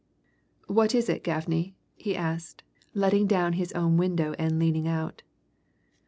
"What is it, Gaffney?" he asked, letting down his own window and leaning out.